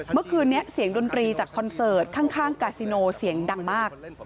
เมื่อคืนนี้เสียงดนตรีจากคอนเสิร์ตข้างกาซิโนเสียงดังมาก